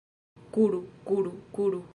Kuru, kuru, kuru...